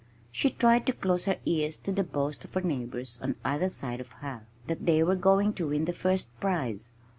She tried to close her ears to the boasts of her neighbors on either side of her, that they were going to win the first prize.